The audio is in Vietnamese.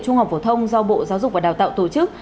trung học phổ thông do bộ giáo dục và đào tạo tổ chức